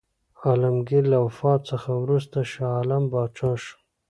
عالمګیر له وفات څخه وروسته شاه عالم پاچا شو.